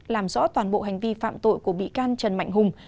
làm rõ toàn bộ hành vi phạm tội của bị can trần mạnh hùng